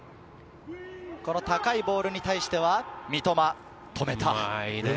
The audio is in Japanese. この高いボールに対しては三笘、止めた。